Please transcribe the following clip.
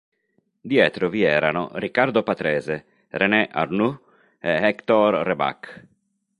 Dietro vi erano Riccardo Patrese, René Arnoux e Héctor Rebaque.